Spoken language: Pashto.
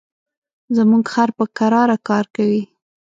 زموږ خر په کراره کار کوي.